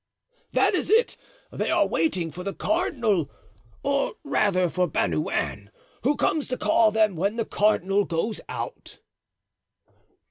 "That is it; they are waiting for the cardinal, or rather for Bernouin, who comes to call them when the cardinal goes out."